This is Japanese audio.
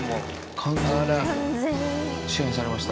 完全に支配されました。